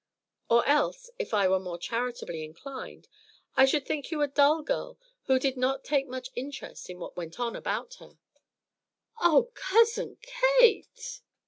"Or else, if I were more charitably inclined, I should think you a dull girl who did not take much interest in what went on about her." "Oh, Cousin Kate!"